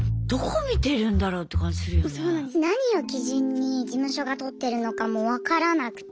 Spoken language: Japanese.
何を基準に事務所が採ってるのかも分からなくて。